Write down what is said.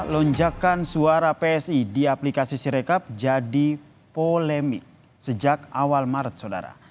lonjakan suara psi di aplikasi sirekap jadi polemik sejak awal maret saudara